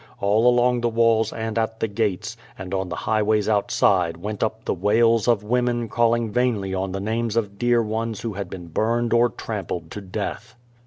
All along the walls, and at the gates, and on the high ways outside went up the wails of women calling vainly on the names of dear ones who had been burned or trampled to death.